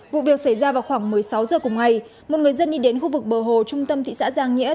vụ việc xảy ra vào khoảng một mươi sáu giờ cùng ngày một người dân đi đến khu vực bờ hồ trung tâm thị xã giang nghĩa